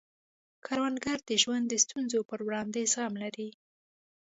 کروندګر د ژوند د ستونزو په وړاندې زغم لري